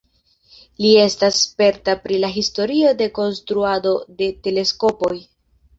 Li estas sperta pri la historio de konstruado de teleskopoj.